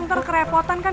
ntar kerepotan kan